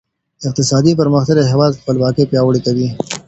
اقتصادي پرمختيا د هېواد خپلواکي پياوړې کوي.